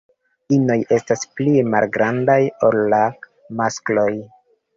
Inoj estas pli malgrandaj ol la maskloj.